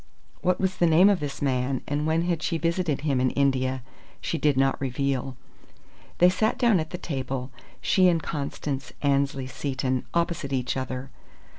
What was the name of this man, and when she had visited him in India, she did not reveal. They sat down at the table, she and Constance Annesley Seton, opposite each other.